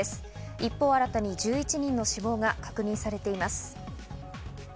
一方、新たに１１人の死亡が確認されています。